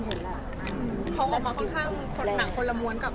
เห็นสิคะก็ได้เห็น